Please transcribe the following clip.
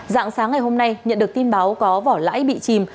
dạng sáng ngày hôm nay nhận được tin báo có vỏ lãi bị chìm